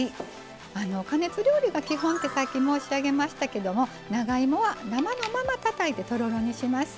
加熱料理が基本ってさっき申し上げましたけども長芋は生のままたたいてとろろにします。